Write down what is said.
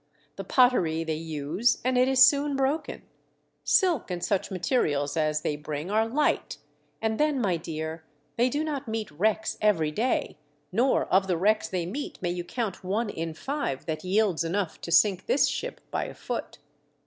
The pottery they use and it is soon broken. Silk and such materials as they bring are light ; and then, my dear, they do not meet wrecks every day, nor of the wrecks they meet may you count one in five that yields enough to sink this ship by a foot."